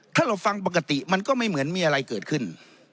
ถ้าเราฟังปกติมันก็ไม่เหมือนมีอะไรเกิดขึ้น